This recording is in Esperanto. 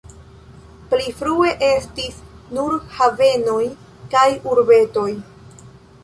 Pli frue estis nur havenoj kaj urbetoj.